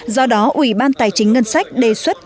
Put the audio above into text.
do đó ủy ban tài chính ngân sách đề xuất